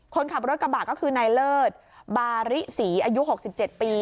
คนขับรถกระบะก็คือนายเลิศบาริศรีอายุ๖๗ปี